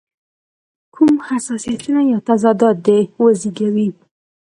کوم حساسیتونه یا تضادات دې وزېږوي.